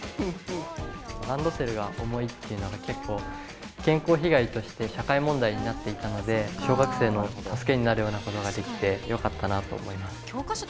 ランドセルが重いっていうのが、結構、健康被害として社会問題になっていたので、小学生の助けになるようなことができてよかったなと思います。